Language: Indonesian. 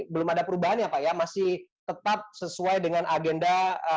belum ada perubahannya mas ya masih tetap sesuai dengan agenda